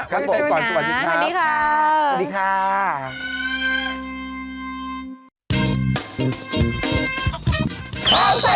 วันโปรดก่อนสวัสดีครับ